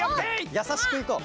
やさしくいこう。